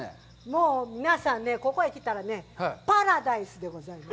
もう皆さんね、ここへ来たらね、パラダイスでございます。